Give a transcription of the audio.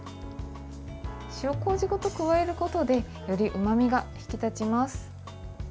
塩こうじごと加えることでよりうまみが引き立ちます。